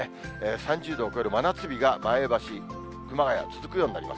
３０度を超える真夏日が前橋、熊谷、続くようになります。